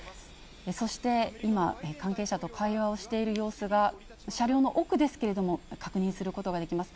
そして今、関係者と会話をしている様子が、車両の奥ですけれども、確認することができます。